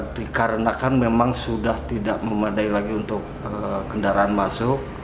dikarenakan memang sudah tidak memadai lagi untuk kendaraan masuk